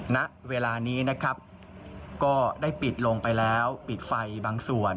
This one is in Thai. ณเวลานี้นะครับก็ได้ปิดลงไปแล้วปิดไฟบางส่วน